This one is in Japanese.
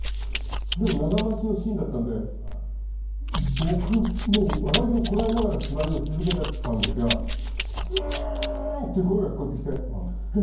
でも長回しのシーンだったんで僕もう笑いをこらえながら芝居を続けてったんですが「うん」っていう声が聞こえてきてえっ